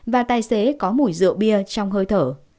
và tài xế có mùi rượu bia trong hơi thở